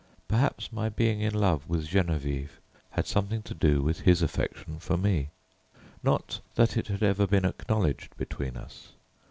Perhaps my being in love with Geneviève had something to do with his affection for me. Not that it had ever been acknowledged between us.